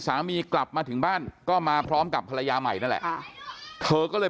สามีกลับมาถึงบ้านก็มาพร้อมกับภรรยาใหม่นั่นแหละเธอก็เลย